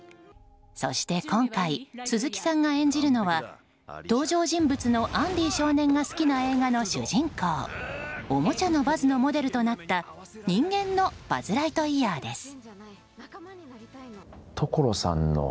そして今回鈴木さんが演じるのは登場人物のアンディ少年が好きな映画の主人公おもちゃのバズのモデルとなった人間のバズ・ライトイヤーです。